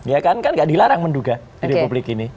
ya kan kan gak dilarang menduga di republik ini